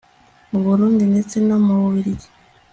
mu burundi ndetse no mu bubiligi